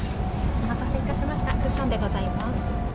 お待たせいたしました、クッションでございます。